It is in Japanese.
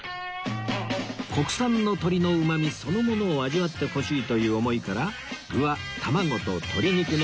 国産の鶏のうまみそのものを味わってほしいという思いから具は卵と鶏肉のみ